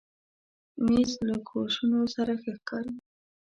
مېز له کوشنو سره ښه ښکاري.